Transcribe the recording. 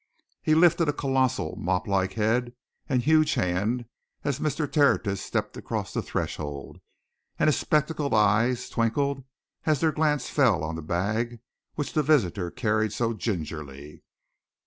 He lifted a colossal, mop like head and a huge hand as Mr. Tertius stepped across the threshold, and his spectacled eyes twinkled as their glance fell on the bag which the visitor carried so gingerly.